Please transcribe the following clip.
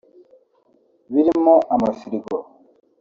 birimo ama frigo